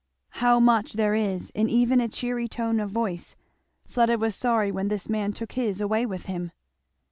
How much there is in even a cheery tone of voice, Fleda was sorry when this man took his away with him.